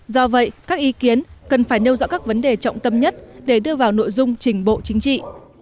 do vậy các ý kiến cần phải nêu rõ các vấn đề trọng tâm nhất để đưa vào nội dung trình bộ chính trị